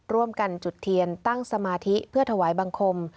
ร่วมกันจุดเทียนตั้งสมาธิเพื่อถวายบังคม